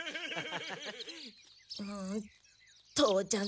父ちゃん